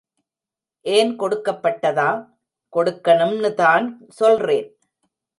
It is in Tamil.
ஏன், கொடுக்கப்படாதா? கொடுக்கனும்னுதான் சொல்றேன்.